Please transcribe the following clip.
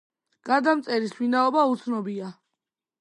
გადამწერის ვინაობა უცნობია.